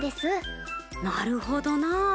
なるほどなあ。